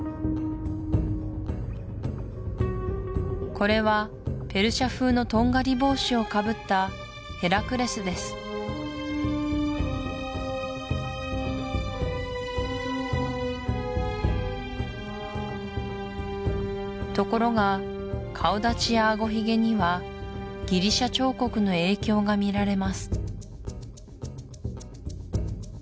これはペルシア風のとんがり帽子をかぶったヘラクレスですところが顔立ちやあごひげにはギリシア彫刻の影響が見られます